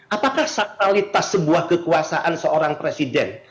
apakah sakralitas sebuah kekuasaan seorang presiden